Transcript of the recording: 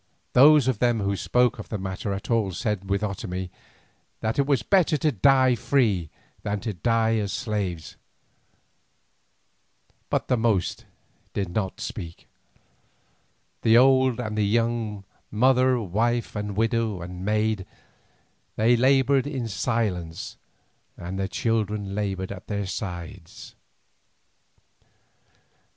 Those of them who spoke of the matter at all said with Otomie, that it was better to die free than to live as slaves, but the most did not speak; the old and the young, mother, wife, widow, and maid, they laboured in silence and the children laboured at their sides.